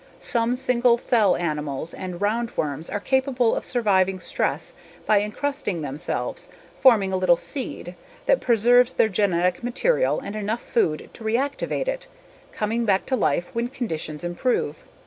Some single cell animals and roundworms are capable of surviving stress by encysting themselves, forming a little "seed" that preserves their genetic material and enough food to reactivate it, coming back to life when conditions improve.